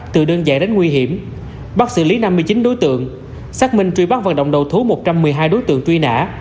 từ đơn dạy đến nguy hiểm bắt xử lý năm mươi chín đối tượng xác minh truy bắt vận động đầu thú một trăm một mươi hai đối tượng truy nã